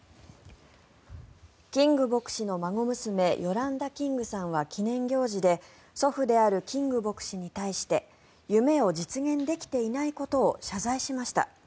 キング牧師の孫娘ヨランダ・キングさんは記念行事で祖父であるキング牧師に対して夢を実現できていないことを謝罪しました。